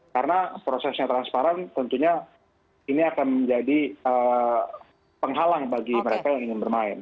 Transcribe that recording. karena prosesnya transparan tentunya ini akan menjadi penghalang bagi mereka yang ingin bermain